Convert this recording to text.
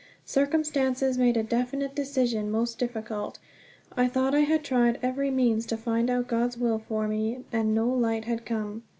Circumstances made a definite decision most difficult. I thought I had tried every means to find out God's will for me, and no light had come.